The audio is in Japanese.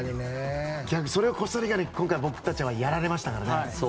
それをコスタリカに今回、僕たちはやられましたからね。